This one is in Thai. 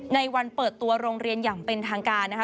ในวันเปิดตัวโรงเรียนอย่างเป็นทางการนะคะ